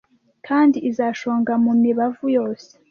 kandi izashonga mumibavu yose